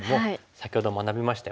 先ほど学びましたよね。